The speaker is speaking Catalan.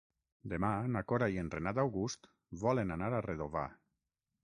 Demà na Cora i en Renat August volen anar a Redovà.